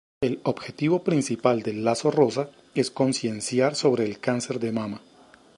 El objetivo principal del Lazo Rosa es concienciar sobre el cáncer de Mama.